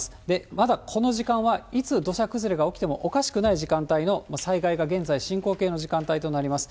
まだこの時間はいつ土砂崩れが起きてもおかしくない時間帯の災害が現在、進行形の時間帯となります。